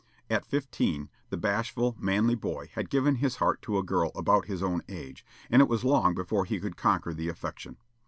At fifteen, the bashful, manly boy had given his heart to a girl about his own age, and it was long before he could conquer the affection.